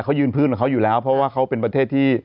เขายืนพื้นของเขาอยู่แล้วเพราะว่าเขาเป็นประเทศที่